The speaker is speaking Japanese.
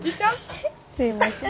すみません。